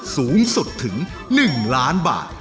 สูงสุดถึง๑ล้านบาท